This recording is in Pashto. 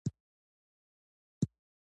استاد د ښو هدفونو الهام ورکوونکی دی.